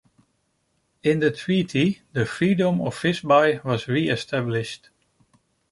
In the treaty, the freedom of Visby was reestablished.